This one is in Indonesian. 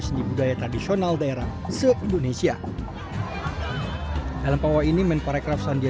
seni budaya tradisional daerah indonesia dalam panggung ini main para kerasan dia